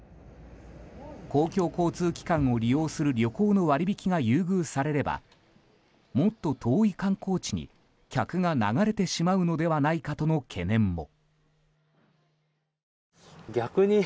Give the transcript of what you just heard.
公共交通機関を利用する旅行の割引が優遇されればもっと遠い観光地に客が流れてしまうのではないかとの懸念も。